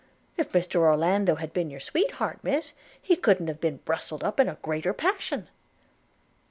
If Mr Orlando had been your sweetheart, Miss, he couldn't have been brustled up in a greater passion.'